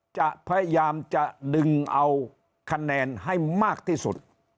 จะพยายามจะดึงเอาคะแนนให้มากที่สุด